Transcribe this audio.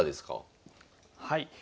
はい。